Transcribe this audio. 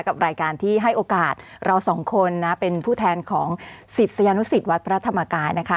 กับรายการที่ให้โอกาสเราสองคนนะเป็นผู้แทนของศิษยานุสิตวัดพระธรรมกายนะคะ